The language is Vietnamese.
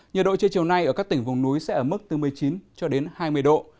nhiệt độ trưa chiều nay ở các tỉnh vùng núi sẽ ở mức từ một mươi chín cho đến hai mươi độ